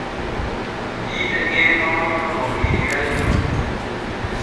Yiite ŋe mawni no o miiliray no.